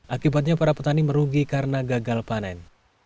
akibatnya para petani merugi karena gagal panen